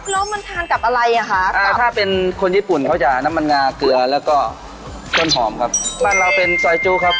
ว่าจะมีอะไรให้ค้นหาและติดตามกันเลยครับ